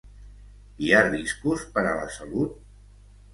Hi ha riscos per a la salut?